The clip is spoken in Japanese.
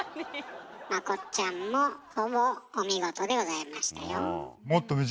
まこっちゃんもほぼお見事でございましたよ。